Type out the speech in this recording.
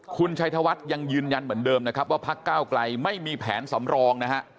คุณชัยธวัฒน์ยังยืนยันเหมือนเดิมนะครับว่าพักก้าวไกลไม่มีแผนสำรองนะฮะ